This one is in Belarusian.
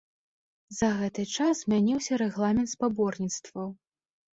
За гэты час змяніўся рэгламент спаборніцтваў.